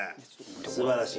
すばらしい。